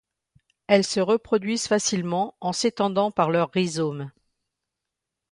Elles se reproduisent facilement en s'étendant par leurs rhizomes.